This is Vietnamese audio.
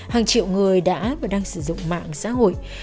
hàng triệu người đã và đang sử dụng mạng xã hội